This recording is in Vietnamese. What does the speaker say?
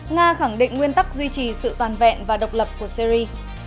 nga khẳng định nguyên tắc duy trì sự toàn vẹn và độc lập của syri